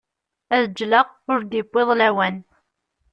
Ad ğğleɣ ur d-yewwiḍ lawan.